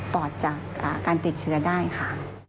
ปอดจากการติดเชื้อได้ค่ะ